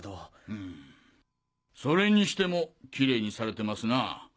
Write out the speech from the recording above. うんそれにしてもきれいにされてますなぁ。